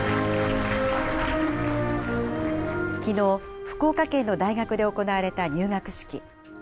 きのう、福岡県の大学で行われた入学式。